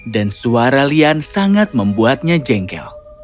dan suara lian sangat membuatnya jengkel